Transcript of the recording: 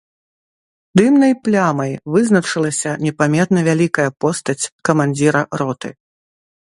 Дымнай плямай вызначылася непамерна вялікая постаць камандзіра роты.